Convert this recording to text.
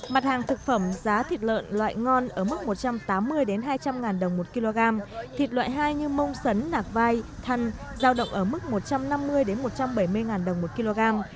mặt hàng thực phẩm giá thịt lợn loại ngon ở mức một trăm tám mươi hai trăm linh ngàn đồng một kg thịt loại hai như mông sấn nạc vai thằn giao động ở mức một trăm năm mươi một trăm bảy mươi ngàn đồng một kg